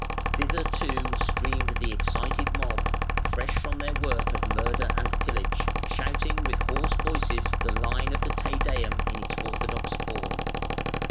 Thither, too, streamed the excited mob, fresh from their work of murder and pillage, shouting with hoarse voices the line of the Te Deum in its orthodox form.